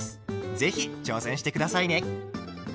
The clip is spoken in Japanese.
是非挑戦して下さいね。